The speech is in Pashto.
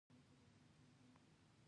زه د کتاب لوستلو پلان جوړوم.